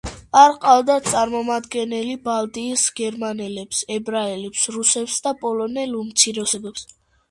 არ ყავდათ წარმომადგენელი ბალტიის გერმანელებს, ებრაელებს, რუსებს და პოლონელ უმცირესობებს.